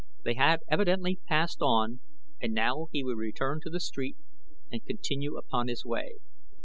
They had evidently passed on and now he would return to the street and continue upon his way.